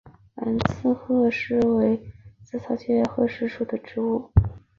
蓝刺鹤虱为紫草科鹤虱属的植物。